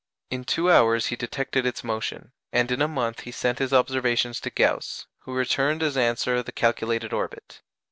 In two hours he detected its motion, and in a month he sent his observations to Gauss, who returned as answer the calculated orbit.